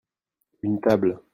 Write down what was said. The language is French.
une table.